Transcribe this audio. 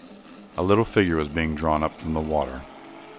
A little figure was being drawn up from the water.